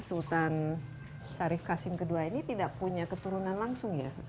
sultan syarif hasim ii ini tidak punya keturunan langsung ya